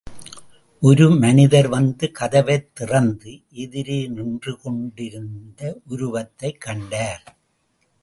ஒரு மனிதர் வந்து கதவைத் திறந்து எதிரே நின்று கொண்டிருந்த் உருவத்தைக் கண்டார்.